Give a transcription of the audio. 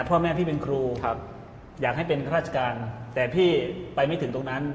พ่อแม่พี่เป็นครูอยากให้เป็นข้าราชการแต่พี่ไปไม่ถึงตรงนั้น